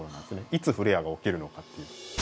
いつフレアが起きるのかっていう。